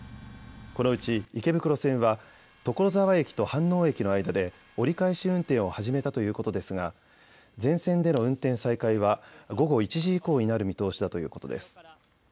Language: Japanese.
このうち池袋線は所沢駅と飯能駅の間で折り返し運転を始めたということですが全線での運転再開は午後１時以降になる見通しだということです。